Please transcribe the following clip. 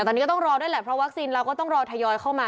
ตอนนี้ก็ต้องรอด้วยแหละเพราะวัคซีนเราก็ต้องรอทยอยเข้ามา